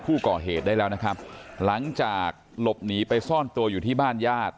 ผู้ก่อเหตุได้แล้วนะครับหลังจากหลบหนีไปซ่อนตัวอยู่ที่บ้านญาติ